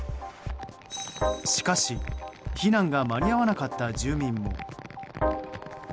しかし、避難が間に合わなかった住民も。